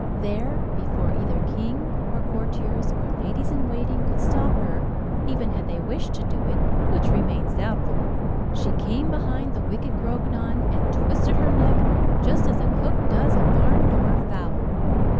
There, before either king, or courtiers, or ladies in waiting could stop her even had they wished to do it, which remains doubtful she came behind the wicked Grognon, and twisted her neck, just as a cook does a barn door fowl.